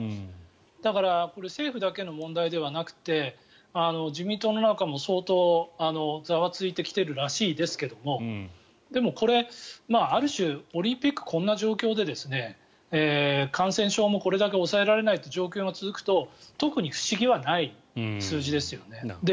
だから政府だけの問題ではなくて自民党の中も相当ざわついてきているらしいですけどでも、これある種、オリンピックをこんな状況で感染症もこれだけ抑えられないという状況が続くと特に不思議はない数字ですよね。